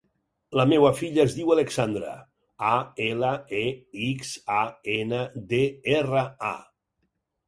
La meva filla es diu Alexandra: a, ela, e, ics, a, ena, de, erra, a.